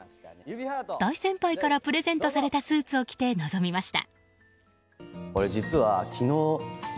大先輩からプレゼントされたスーツを着て臨みました。